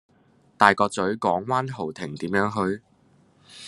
大角嘴港灣豪庭點樣去?